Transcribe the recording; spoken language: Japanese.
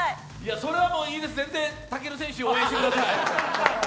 それはいいです、全然、武尊選手、応援してください。